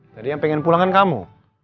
jadi yang pengen pulangkan kamu